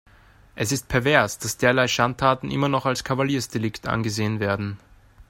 Es ist pervers, dass derlei Schandtaten immer noch als Kavaliersdelikt angesehen werden.